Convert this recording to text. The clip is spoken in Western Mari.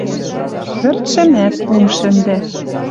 Пӧртшӹмӓт ум шӹндӓ.